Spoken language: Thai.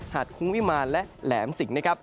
ดคุ้งวิมารและแหลมสิงนะครับ